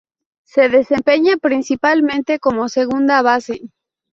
Se desempeña principalmente como segunda base.